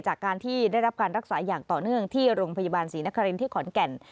จากการที่ได้รับการรักษาอย่างต่อเนื่องที่โรงพยาบาลศรีนครินที่ขอนแก่น